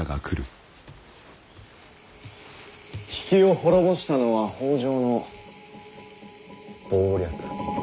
比企を滅ぼしたのは北条の謀略。